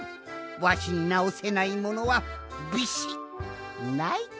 わしになおせないものはビシッない！